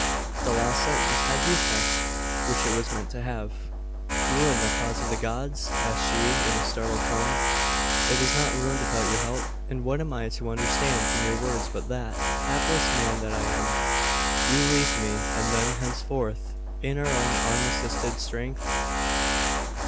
The last sentence had the effect which it was meant to have. 'Ruined the cause of the gods?' asked she, in a startled tone. 'Is it not ruined without your help? And what am I to understand from your words but that hapless man that I am! you leave me and them henceforth to our own unassisted strength?